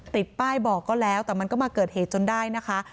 ติดป้ายบอกก็แล้วแต่มันก็มาเกิดเหตุจนได้นะคะ